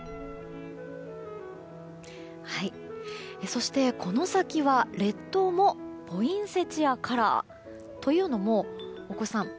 そして、この先は列島もポインセチアカラー。というのも大越さん